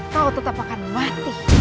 kau tetap akan mati